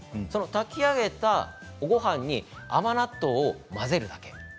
炊き上げたごはんに甘納豆を混ぜるだけ。